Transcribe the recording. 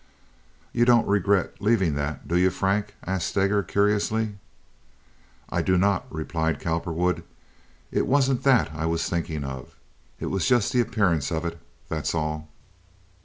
"You don't regret leaving that, do you, Frank?" asked Steger, curiously. "I do not," replied Cowperwood. "It wasn't that I was thinking of. It was just the appearance of it, that's all."